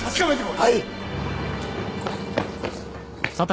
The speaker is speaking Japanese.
はい！